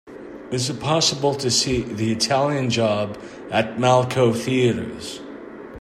Is it possible to see The Italian Job at Malco Theatres